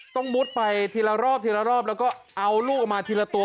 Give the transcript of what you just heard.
มุดไปทีละรอบทีละรอบแล้วก็เอาลูกออกมาทีละตัว